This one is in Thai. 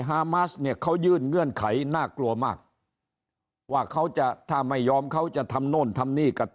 ฮามัสเนี่ยเขายื่นเงื่อนไขน่ากลัวมากว่าเขาจะถ้าไม่